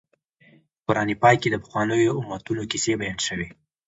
په قران پاک کې د پخوانیو امتونو کیسې بیان شوي.